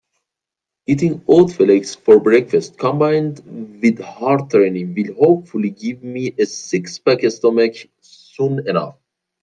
Eating oat flakes for breakfast combined with hard training will hopefully give me a six-pack stomach soon enough.